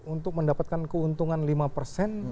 untuk mendapatkan keuntungan lima persen